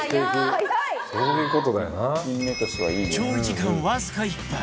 調理時間わずか１分